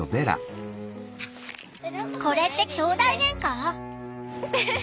これってきょうだいゲンカ？